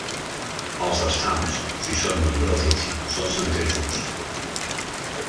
Els estams, si són nombrosos, són centrífugs.